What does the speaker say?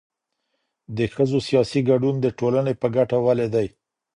د ښځو سياسي ګډون د ټولني په ګټه ولي دی؟